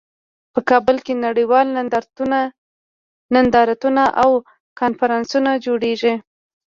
په کابل کې نړیوال نندارتونونه او کنفرانسونه جوړیږي